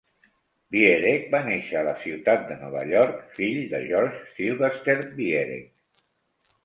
Viereck va néixer a la ciutat de Nova York, fill de George Sylvester Viereck.